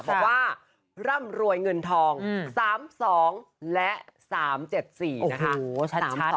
บอกว่าร่ำรวยเงินทอง๓๒และ๓๗๔นะคะ